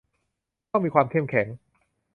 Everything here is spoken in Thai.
ต้องมีความเข้มแข็ง